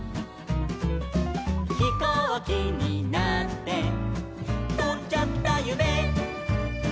「ひこうきになってとんじゃったゆめ」